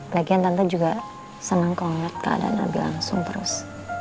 lagian tante juga senang kalau ngeliat keadaan abi langsung terus